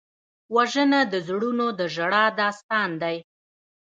وژنه د زړونو د ژړا داستان دی